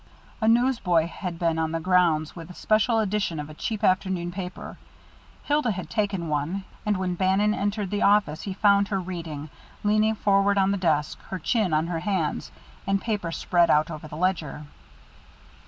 A newsboy had been on the grounds with a special edition of a cheap afternoon paper. Hilda had taken one, and when Bannon entered the office he found her reading, leaning forward on the desk, her chin on her hands, the paper spread out over the ledger.